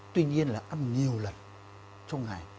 tuy nhiên là ăn nhiều lần trong ngày